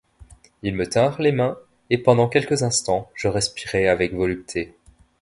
Ils me tinrent les mains, et pendant quelques instants, je respirai avec volupté.